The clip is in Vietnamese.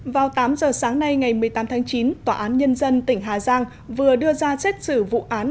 vào tám giờ sáng nay ngày một mươi tám tháng chín tòa án nhân dân tỉnh hà giang vừa đưa ra xét xử vụ án